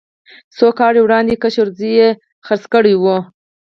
څو کاله وړاندې کشر زوی یې خرڅه کړې وه.